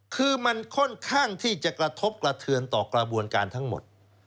คือมันค่อนข้างที่จะกระทบกระเทือนต่อกระบวนการทั้งหมด